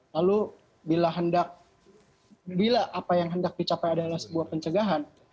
lalu bila hendak bila apa yang hendak dicapai adalah sebuah pencegahan